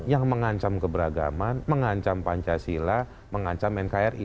yang mengancam keberagaman mengancam pancasila mengancam nkri